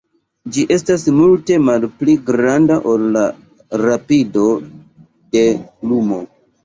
Ĝi estas multe malpli granda ol la rapido de lumo.